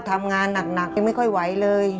ทำงานหนักยังไม่ค่อยไหวเลย